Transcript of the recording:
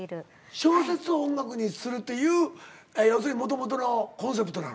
小説を音楽にするっていう要するにもともとのコンセプトなの。